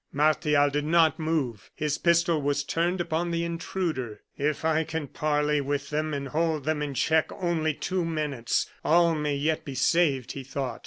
Martial did not move; his pistol was turned upon the intruder. "If I can parley with them, and hold them in check only two minutes, all may yet be saved," he thought.